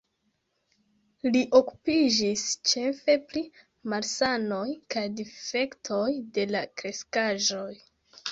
Li okupiĝis ĉefe pri malsanoj kaj difektoj de la kreskaĵoj.